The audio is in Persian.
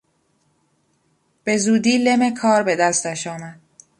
به زودی لم کار به دستش آمد.